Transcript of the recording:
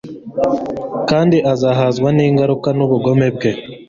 kandi azahazwa n’ingaruka z’ubugome bwe